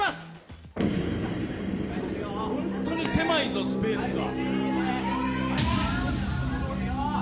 ホントに狭いぞ、スペースが。